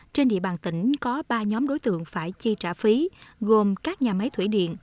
trên địa bàn tỉnh có ba nhóm đối tượng phải chi trả phí gồm các nhà máy thủy điện